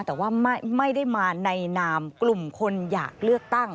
แต่ว่าไม่ได้มาในนามกลุ่มคนอยากเลือกตั้ง